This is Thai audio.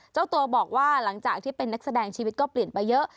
เจ้าตัวบอกว่าหลังจากที่เป็นนักแสดงชีวิตก็เปลี่ยนไปเยอะ